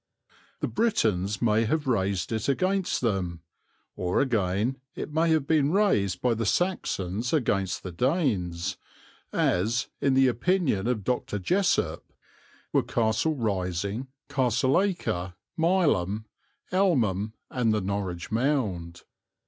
The Britons may have raised it against them. Or again, it may have been raised by the Saxons against the Danes, as, in the opinion of Dr. Jessopp, were Castle Rising, Castle Acre, Mileham, Elmham, and the Norwich Mound.